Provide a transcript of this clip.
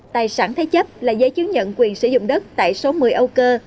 tài sản thế chấp là giấy chứng nhận quyền sử dụng đất tại số một mươi âu cơ